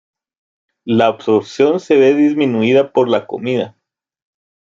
La absorción se ve disminuida por la comida.